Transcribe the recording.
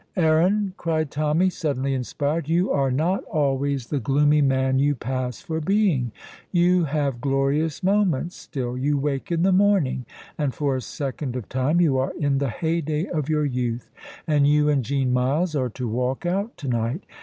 "Aaron," cried Tommy, suddenly inspired, "you are not always the gloomy man you pass for being. You have glorious moments still. You wake in the morning, and for a second of time you are in the heyday of your youth, and you and Jean Myles are to walk out to night.